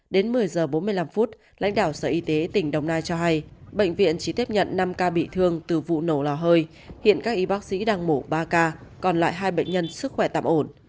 đến một mươi giờ bốn mươi năm phút lãnh đạo sở y tế tỉnh đồng nai cho hay bệnh viện chỉ tiếp nhận năm ca bị thương từ vụ nổ lò hơi hiện các y bác sĩ đang mổ ba ca còn lại hai bệnh nhân sức khỏe tạm ổn